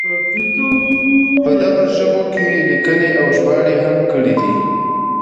په دغو ژبو کې یې لیکنې او ژباړې هم کړې دي.